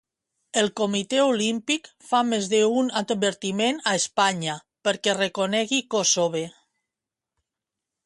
El Comitè Olímpic fa més d'un advertiment a Espanya perquè reconegui Kossove.